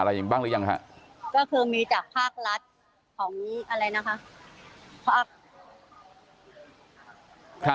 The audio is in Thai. อย่างบ้างหรือยังฮะก็คือมีจากภาครัฐของอะไรนะคะภาค